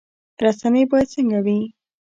رسنۍ باید څنګه وي؟